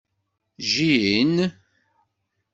Jjin.